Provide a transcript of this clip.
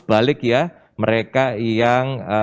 balik ya mereka yang